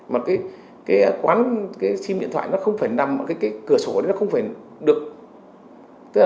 mà cái quán sim điện thoại nó không phải nằm ở cái cửa sổ này